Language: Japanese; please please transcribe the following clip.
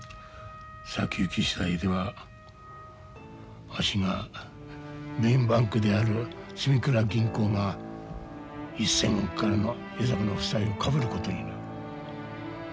先行き次第ではわしがメインバンクである住倉銀行が１，０００億からの江坂の負債をかぶることになる。